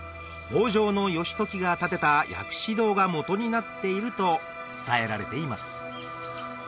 北条義時が建てた薬師堂がもとになっていると伝えられています